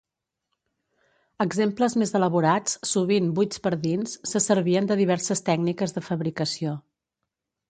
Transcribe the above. Exemples més elaborats, sovint buits per dins, se servien de diverses tècniques de fabricació.